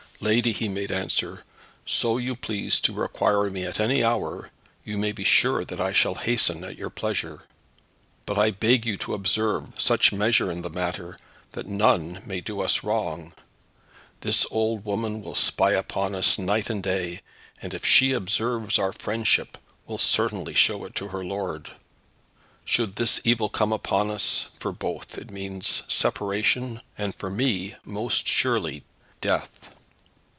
"Lady," he made answer, "so you please to require me at any hour, you may be sure that I shall hasten at your pleasure. But I beg you to observe such measure in the matter, that none may do us wrong. This old woman will spy upon us night and day, and if she observes our friendship, will certainly show it to her lord. Should this evil come upon us, for both it means separation, and for me, most surely, death."